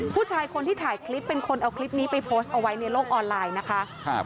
ผู้ชายคนที่ถ่ายคลิปเป็นคนเอาคลิปนี้ไปโพสต์เอาไว้ในโลกออนไลน์นะคะ